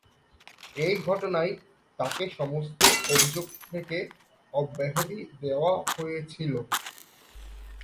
এই ঘটনায় তাকে সমস্ত অভিযোগ থেকে অব্যাহতি দেওয়া হয়েছিল।